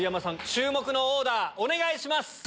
注目のオーダーお願いします。